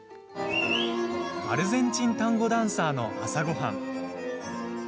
アルゼンチンタンゴダンサーの朝ごはん。